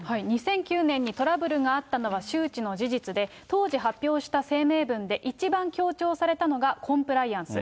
２００９年にトラブルがあったのは、周知の事実で、当時発表した声明文で一番強調されたのがコンプライアンス。